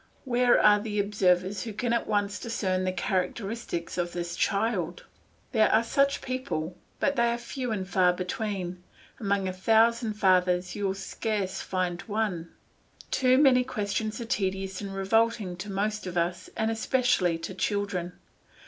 Where are the observers who can at once discern the characteristics of this child? There are such people, but they are few and far between; among a thousand fathers you will scarcely find one. Too many questions are tedious and revolting to most of us and especially to children.